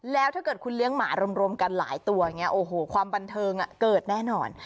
แล้วถ้าเกิดคุณเลี้ยงหมารวมกันหลายตัวอย่างนี้โอ้โหความบันเทิงเกิดแน่นอน